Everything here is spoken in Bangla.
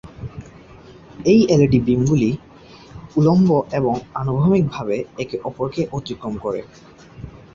এই এলইডি বিম গুলি উল্লম্ব এবং অনুভূমিক ভাবে একে অপরকে অতিক্রম করে।